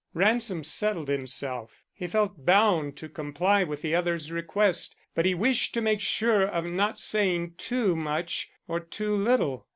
Ransom settled himself. He felt bound to comply with the other's request, but he wished to make sure of not saying too much, or too little.